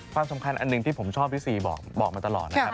ความสำคัญอันหนึ่งที่ผมชอบพี่ซีบอกมาตลอดนะครับ